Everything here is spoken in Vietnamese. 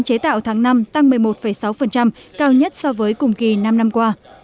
chế tạo tháng năm tăng một mươi một sáu cao nhất so với cùng kỳ năm năm qua